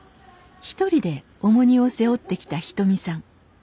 一人で重荷を背負ってきたひとみさん。